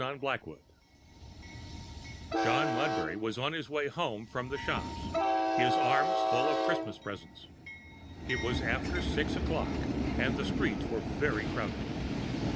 XIV TRANSITION John Mudbury was on his way home from the shops, his arms full of Christmas presents. It was after six o'clock and the streets were very crowded.